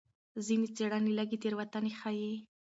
ځینې څېړنې لږې تېروتنې ښيي.